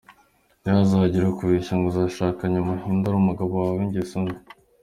Ntihazagire ukubeshya ngo uzashaka hanyuma uhindure umugabo wawe w’ingeso mbi.